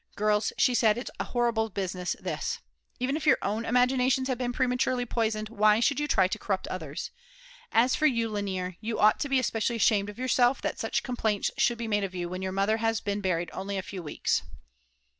"Girls," she said, "it's a horrible business this. Even if your own imaginations have been prematurely poisoned, why should you try to corrupt others? As for you, Lainer, you ought to be especially ashamed of yourself that such complaints should be made of you when your mother has been buried only a few weeks."